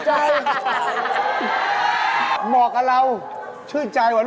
หมอกันเราชื่นใจหวาน